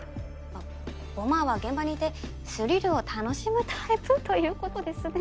まっボマーは現場にいてスリルを楽しむタイプということですね。